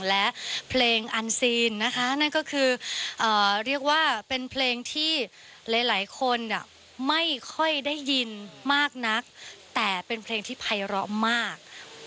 และเพลงอันซีนนะคะนั่นก็คือเรียกว่าเป็นเพลงที่หลายคนไม่ค่อยได้ยินมากนักแต่เป็นเพลงที่ภัยร้อมาก